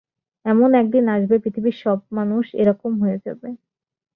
এমন একদিন আসবে, পৃথিবীর সব মানুষ এ-রকম হয়ে যাবে।